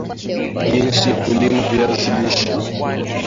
jinsi ya kulima viazi lisha